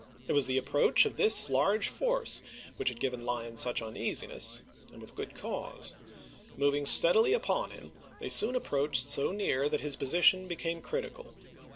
It was the approach of this large juiy m^' force which had given Lyon such uneasiness, and voi. iii., '°"^ "p. 622. With good cause. Moving steadily upon him, they soon approached so near that his position became critical.